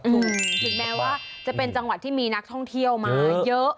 ถึงแม้ว่าจะเป็นจังหวัดที่มีนักท่องเที่ยวมาเยอะ